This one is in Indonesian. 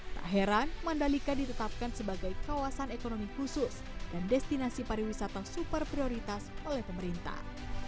tak heran mandalika ditetapkan sebagai kawasan ekonomi khusus dan destinasi pariwisata super prioritas oleh pemerintah